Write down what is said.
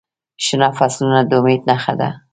شنه فصلونه د امید نښه ده.